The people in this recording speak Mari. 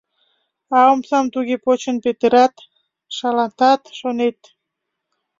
А омсам туге почын петырат, шалатат, шонет.